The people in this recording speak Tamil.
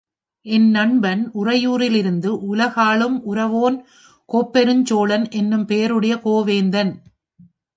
என் நண்பன், உறையூரிலிருந்து உலகாளும் உரவோன், கோப்பெருஞ் சோழன் எனும் பெயருடைய கோவேந்தன்.